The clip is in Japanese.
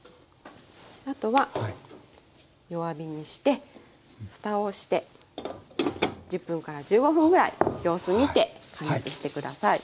あとは弱火にしてふたをして１０分１５分ぐらい様子みて加熱して下さい。